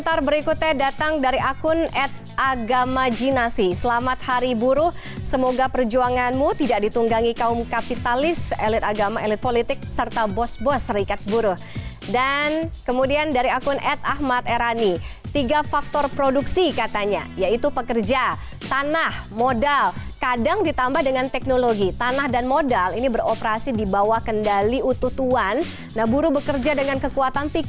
lalu berikutnya dari haris azhar selamat hari buruh may day satu may dua ribu delapan belas pada dasarnya setiap orang adalah buruh persaingan